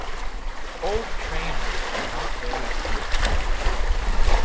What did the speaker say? Old trainers are not very cool